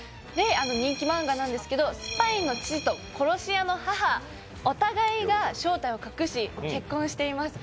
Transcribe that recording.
人気漫画なんですけど、スパイの父と殺し屋の母、お互いが正体を隠し結婚しています。